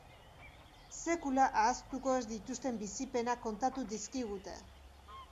Sekula ahaztuko ez dituzten bizipenak kontatu dizkigute.